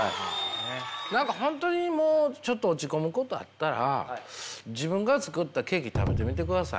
何か本当にもうちょっと落ち込むことあったら自分が作ったケーキ食べてみてください。